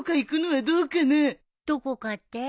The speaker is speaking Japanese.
どこかって？